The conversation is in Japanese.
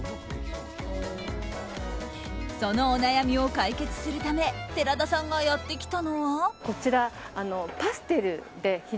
そのお悩みを解決するため寺田さんがやってきたのは。